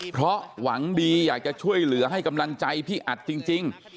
เพราะหวังดีอยากจะช่วยเหลือให้กำลังใจพี่อัดจริง